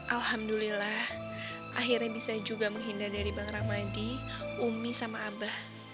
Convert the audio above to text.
alhamdulillah akhirnya bisa juga menghindar dari bang ramadi umi sama abah